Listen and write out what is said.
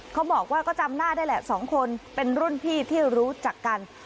เขาบอกว่าก็จำหน้าได้แหละสองคนเป็นรุ่นพี่ที่รู้จักกัน